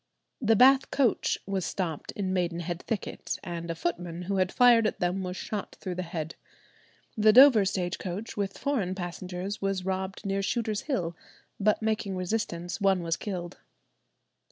The Bath coach was stopped in Maidenhead thicket, and a footman who had fired at them was shot through the head. The Dover stage coach, with foreign passengers, was robbed near Shooter's Hill, but making resistance, one was killed.